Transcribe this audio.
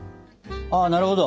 あなるほど。